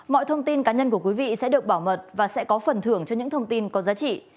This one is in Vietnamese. mọi thông tin cá nhân của quý vị sẽ được bảo mật và sẽ có phần thưởng cho những thông tin có giá trị